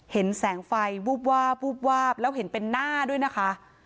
เห็นแสงไฟวูบวาบวูบวาบแล้วเห็นเป็นหน้าด้วยนะคะ